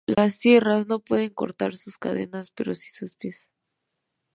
Las sierras no pueden cortar sus cadenas, pero sí sus pies.